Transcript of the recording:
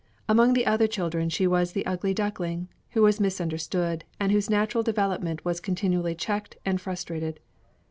Among the other children she was the ugly duckling, who was misunderstood, and whose natural development was continually checked and frustrated.